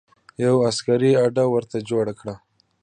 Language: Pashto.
یوه عسکري اډه ورته جوړه کړه.